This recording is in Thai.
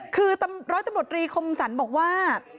คือร้อยตำรวจรีคมสรรบอกว่า